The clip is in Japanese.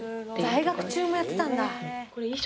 在学中もやってたんだ。